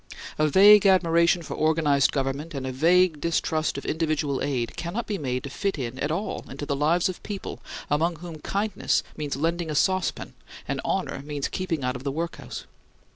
A vague admiration for organized government and a vague distrust of individual aid cannot be made to fit in at all into the lives of people among whom kindness means lending a saucepan and honor means keeping out of the workhouse.